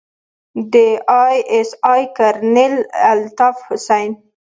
د آى اس آى کرنيل الطاف حسين.